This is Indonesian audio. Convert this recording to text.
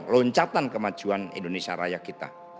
loncatan kemajuan indonesia raya kita